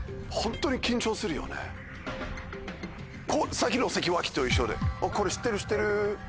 さっきの関脇と一緒で。